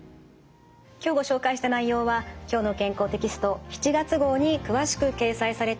今日ご紹介した内容は「きょうの健康」テキスト７月号に詳しく掲載されています。